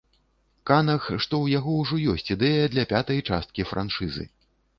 Канах, што ў яго ўжо ёсць ідэя для пятай часткі франшызы.